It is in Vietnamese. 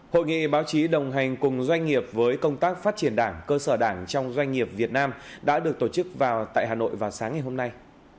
hội nghị báo chí đồng hành cùng doanh nghiệp với công tác phát triển đảng cơ sở đảng trong doanh nghiệp việt nam đã được tổ chức vào tại hà nội vào sáng ngày hôm nay